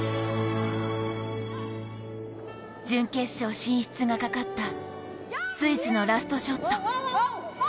準決勝進出がかかったスイスのラストショット。